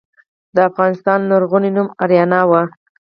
د افغانستان لرغونی نوم اریانا و